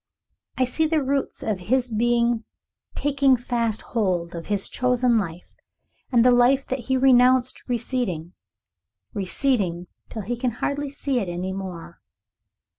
I see the roots of his being taking fast hold of his chosen life, and the life that he renounced receding, receding till he can hardly see it any more.